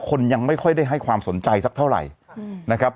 ยังไม่ค่อยได้ให้ความสนใจสักเท่าไหร่นะครับ